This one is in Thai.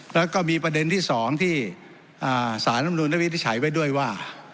แล้วก็มีประเด็นที่๒ที่สารรัฐมนุนได้วินิจฉัยไว้ด้วยว่า